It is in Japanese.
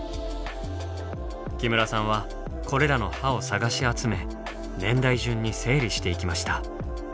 木村さんはこれらの歯を探し集め年代順に整理していきました。